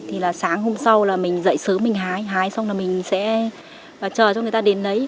thì là sáng hôm sau là mình dậy sớm mình hái hái xong là mình sẽ chờ cho người ta đến lấy